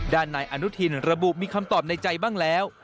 นายอนุทินระบุมีคำตอบในใจบ้างแล้ว